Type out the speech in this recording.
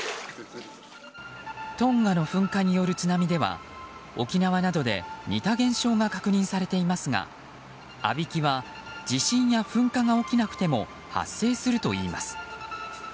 トンガの噴火による津波では沖縄などで似た現象が確認されていますがあびきは地震や噴火が起きなくても発生するといいます。